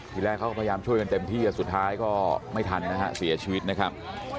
ทีแรกเขาก็พยายามช่วยกันเต็มที่สุดท้ายก็ไม่ทันนะฮะเสียชีวิตนะครับ